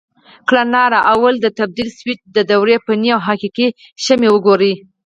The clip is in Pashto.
کړنلاره: لومړی د تبدیل سویچ د دورې فني او حقیقي شمې وګورئ.